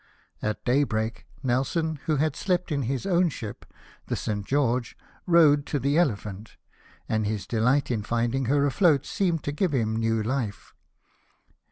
At day break, Nelson, Avho had slept in his own ship, the St. George, rowed to the ElepJta/nt : and hLs dehght in finding her afloat seemed to give him new life.